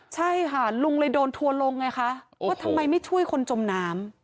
ใช่ค่ะลุงเลยโดนทัวร์ลงไงคะว่าทำไมไม่ช่วยคนจมน้ำ